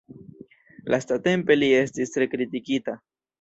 Lastatempe li estis tre kritikita.